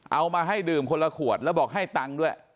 เอามาให้ดื่มคนละขวดแล้วบอกให้ตังค์ด้วย